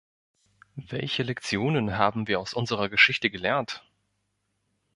Welche Lektionen haben wir aus unserer Geschichte gelernt?